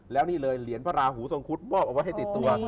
แล้วนี่เลยเหรียญพระราหูทรงคุดมอบเอาไว้ให้ติดตัว